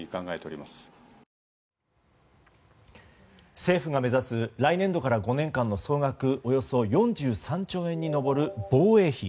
政府が目指す来年度から５年間の総額４３兆円に上る防衛費。